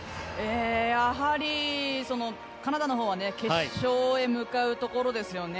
やはり、カナダのほうは決勝へ向かうところですよね。